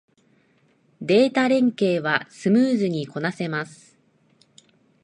データ連携はスムーズにこなせます